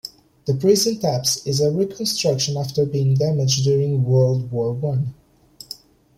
The present apse is a reconstruction after being damaged during World War One.